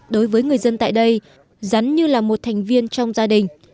đối với người dân tại đây rắn như là một thành viên trong gia đình